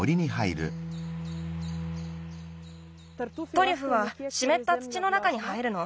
トリュフはしめった土の中に生えるの。